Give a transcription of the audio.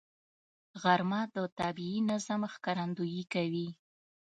غرمه د طبیعي نظم ښکارندویي کوي